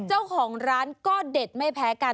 เจ้าของร้านก็เด็ดไม่แพ้กัน